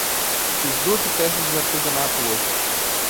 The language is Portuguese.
Fiz doze peças de artesanato hoje.